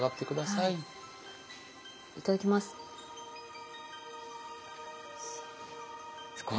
いただきます。